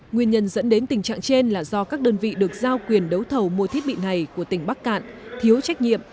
nguyên nhân dẫn đến tình trạng trên là do các đơn vị được giao quyền đấu thầu mua thiết bị này của tỉnh bắc cạn thiếu trách nhiệm